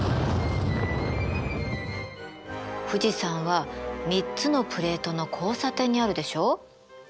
富士山は３つのプレートの交差点にあるでしょ？